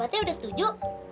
jadi abadnya udah setuju